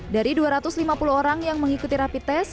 dari dua ratus lima puluh orang yang mengikuti rapi tes